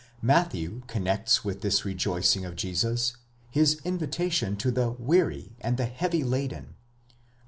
Matthew connects with this rejoicing of Jesus his invitation to the weary and heavy laden (vy.